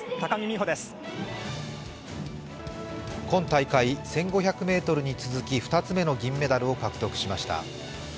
今大会、１５００ｍに続き２つ目の銀メダルを獲得しました。